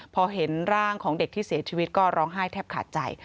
พอเห็นร่างของเด็กที่เสียชีวิตก็ร้องไห้แทบขาดใจ